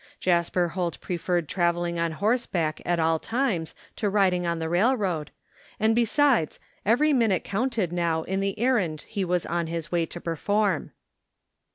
Jasper Holt preferred travelling on horseback at all times to riding on the railroad, and besides, every minute counted now in the errand he was on his way to perform.